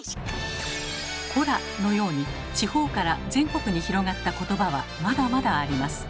「コラ」のように地方から全国に広がった言葉はまだまだあります。